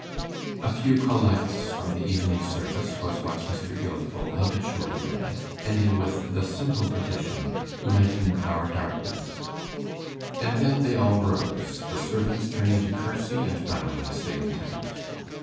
A few collects from the Evening Service was what Mr. Gilfil habitually read, ending with the simple petition, 'Lighten our darkness.' And then they all rose, the servants turning to curtsy and bow as they went out.